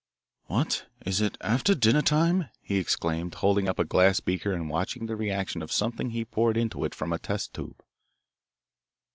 "What, is it after dinner time?" he exclaimed, holding up a glass beaker and watching the reaction of something he poured into it from a test tube.